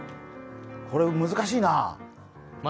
これ、難しいなあ。